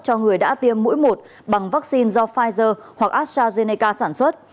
cho người đã tiêm mũi một bằng vaccine do pfizer hoặc astrazeneca sản xuất